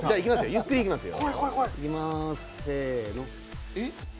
ゆっくりいきますよ。